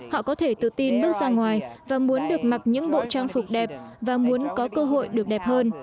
họ có thể tự tin bước ra ngoài và muốn được mặc những bộ trang phục đẹp và muốn có cơ hội được đẹp hơn